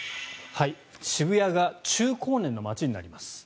渋谷が中高年の街になります。